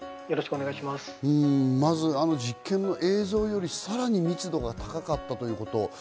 まず実験の映像よりさらに密度が高かったということ。